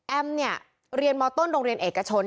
เนี่ยเรียนมต้นโรงเรียนเอกชน